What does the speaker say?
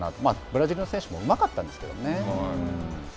ブラジルの選手もうまかったんですけどね。